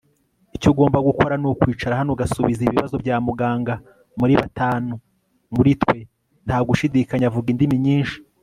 icyo ugomba gukora nukwicara hano ugasubiza ibibazo bya muganga. muri batanu muri twe, nta gushidikanya, avuga indimi nyinshi